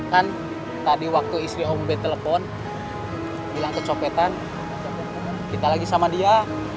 kan tadi waktu istri ombe telepon bilang kecopetan kita lagi sama dia